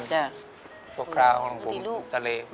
พวกขาของผมทะเล